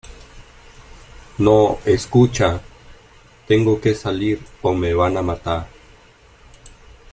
no. escucha ... tengo que salir o me van a matar .